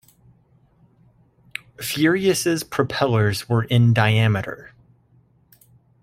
"Furious"s propellers were in diameter.